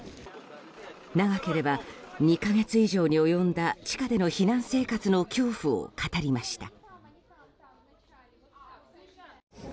長ければ２か月以上に及んだ地下での避難生活の恐怖を語りました。